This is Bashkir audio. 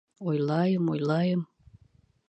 Уйлайым, уйлайым.